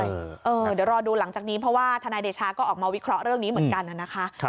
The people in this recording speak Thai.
เดี๋ยวรอดูหลังจากนี้เพราะว่าทนายเดชาก็ออกมาวิเคราะห์เรื่องนี้เหมือนกันนะคะ